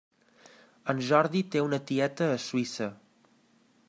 En Jordi té una tieta a Suïssa.